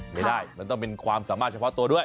ไม่ได้มันต้องเป็นความสามารถเฉพาะตัวด้วย